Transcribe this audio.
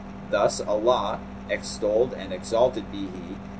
'[FN#233] Thus Allah (extolled and exalted be He!)